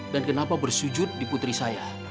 dan kenapa bersujud di putri saya